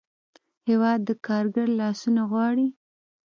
هېواد د کارګر لاسونه غواړي.